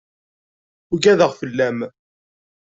Ugadeɣ fell-am.